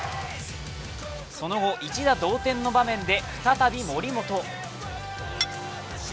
その後、一打同点の場面で再び森本。